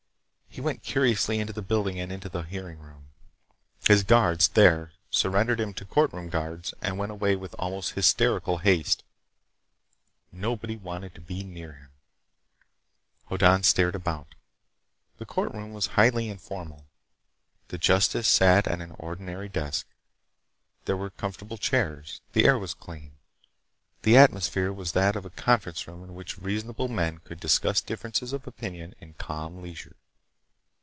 He went curiously into the building and into the hearing room. His guards, there, surrendered him to courtroom guards and went away with almost hysterical haste. Nobody wanted to be near him. Hoddan stared about. The courtroom was highly informal. The justice sat at an ordinary desk. There were comfortable chairs. The air was clean. The atmosphere was that of a conference room in which reasonable men could discuss differences of opinion in calm leisure.